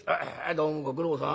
『どうもご苦労さん。